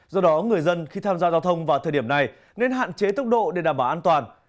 do đó người dân khi tham gia giao thông vào thời điểm này nên hạn chế tốc độ để đảm bảo an toàn